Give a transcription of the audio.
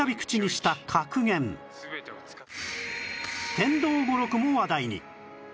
天道語録も話題に